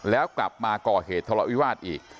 แล้วกลับมาก่อเหตุทะเลาวิวาสอีก